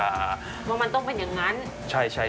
ว่ามันต้องเป็นอย่างนั้น